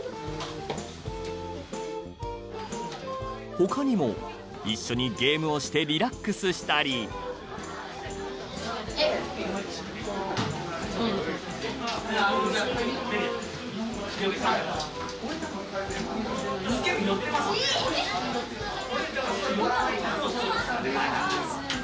他にも一緒にゲームをしてリラックスしたりいっせいの。